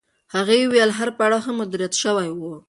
هغې وویل هر پړاو ښه مدیریت شوی و.